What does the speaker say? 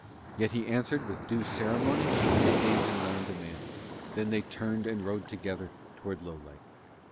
Yet he answered with the due ceremony that that age and land demanded: then they turned and rode together towards Lowlight.